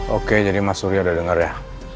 oke jadi mas surya udah denger ya